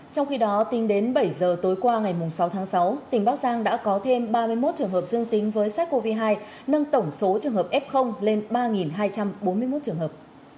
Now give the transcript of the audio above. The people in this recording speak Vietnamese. trong khi đó tính đến bảy giờ tối qua ngày sáu tháng sáu tỉnh bắc giang đã có thêm ba mươi một trường hợp dương tính với sars cov hai nâng tổng số trường hợp f lên ba hai trăm bốn mươi một trường hợp